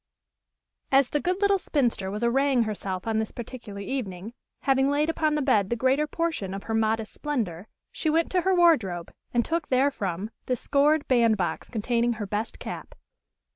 As the good little spinster was arraying herself on this particular evening, having laid upon the bed the greater portion of her modest splendor, she went to her wardrobe, and took therefrom the scored bandbox containing her best cap.